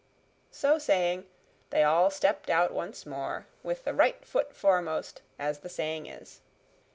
So saying, they all stepped out once more, with the right foot foremost, as the saying is.